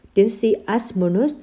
tiến sĩ asmonus